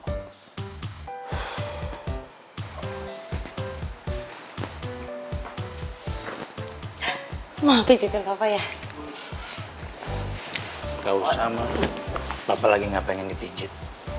hai mau pijet apa ya kau sama apa lagi nggak pengen dipijet